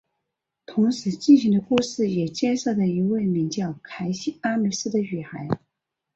同时进行的故事也介绍的一位名叫凯西阿美斯的女孩。